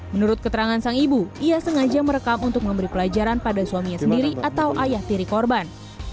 menurut keterangan sang ibu ia sengaja merekam untuk memberi pelajaran pada suaminya sendiri atau ayah tiri korban